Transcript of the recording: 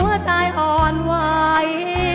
หัวใจอ่อนไหว